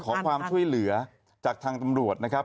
ขอความช่วยเหลือจากทางตำรวจนะครับ